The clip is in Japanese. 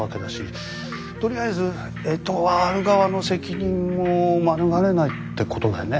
とりあえずエトワール側の責任も免れないってことだよね。